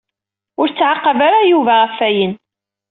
Ur ttɛaqab ara Yuba ɣef ayen.